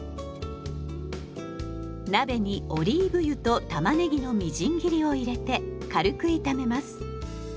鍋にオリーブ油とたまねぎのみじん切りを入れて軽く炒めます。